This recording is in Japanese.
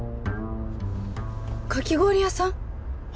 かき氷屋さん。は？